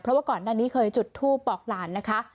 เพราะว่าก่อนหน้านี้เคยจุดทูปบอกหลานนะคะ